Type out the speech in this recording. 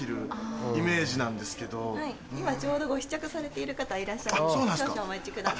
今ちょうどご試着されている方いらっしゃるので少々お待ちください。